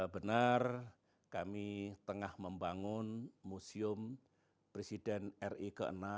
benar kami tengah membangun museum presiden ri ke enam